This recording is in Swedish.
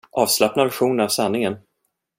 Avslappnad version av sanningen!